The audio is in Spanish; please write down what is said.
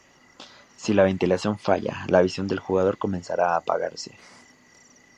Si la ventilación falla, la visión del jugador comenzará a apagarse.